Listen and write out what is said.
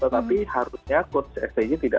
tapi harusnya kots sdg tidak